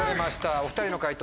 お２人の解答